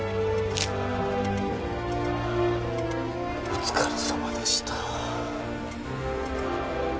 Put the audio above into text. お疲れさまでした。